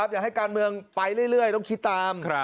อย่าให้การเมืองไปเรื่อยต้องคิดตาม